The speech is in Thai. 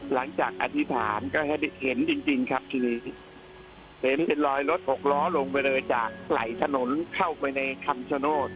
อธิษฐานก็เห็นจริงครับทีนี้เห็นเป็นรอยรถหกล้อลงไปเลยจากไหล่ถนนเข้าไปในคำชโนธ